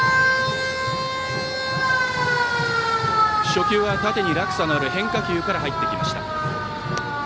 初球は縦に落差のある変化球から入ってきました。